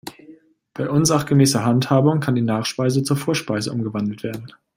Bei unsachgemäßer Handhabung kann die Nachspeise zur Vorspeise umgewandelt werden.